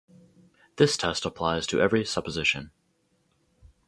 This test applies to every supposition.